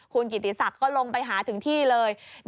คุณกิติศักดิ์ก็ลงไปหาถึงที่เลย